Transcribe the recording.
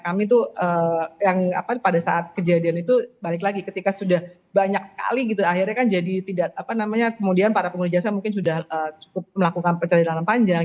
kami tuh yang pada saat kejadian itu balik lagi ketika sudah banyak sekali gitu akhirnya kan jadi tidak apa namanya kemudian para pengguna jasa mungkin sudah cukup melakukan perjalanan panjang